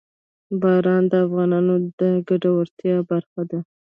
باران د افغانانو د ګټورتیا برخه ده.